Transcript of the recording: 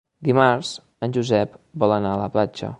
Dimarts en Josep vol anar a la platja.